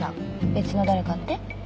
別の誰かって？